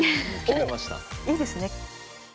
おっいいですね。